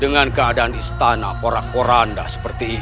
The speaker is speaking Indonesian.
dengan keadaan istana porak poranda seperti ini